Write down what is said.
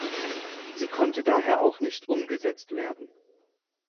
Sie konnte daher auch nicht umgesetzt werden.